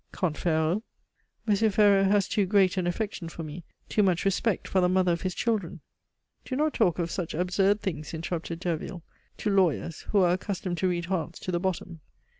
"Comte Ferraud." "Monsieur Ferraud has too great an affection for me, too much respect for the mother of his children " "Do not talk of such absurd things," interrupted Derville, "to lawyers, who are accustomed to read hearts to the bottom.